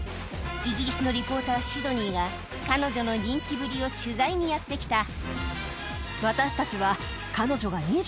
イギリスのリポーターシドニーが彼女の人気ぶりを取材にやって来た